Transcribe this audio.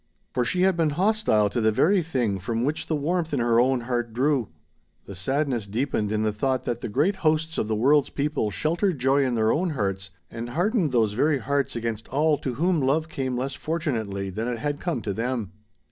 For she had been hostile to the very thing from which the warmth in her own heart drew. The sadness deepened in the thought that the great hosts of the world's people sheltered joy in their own hearts and hardened those very hearts against all to whom love came less fortunately than it had come to them.